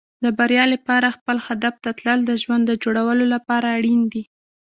د بریا لپاره خپل هدف ته تلل د ژوند د جوړولو لپاره اړین دي.